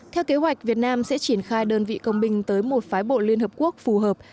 theo kế hoạch việt nam sẽ triển khai đơn vị công binh tới một phái bộ liên hợp quốc phù hợp